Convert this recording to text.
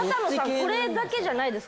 これだけじゃないです